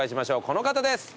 この方です。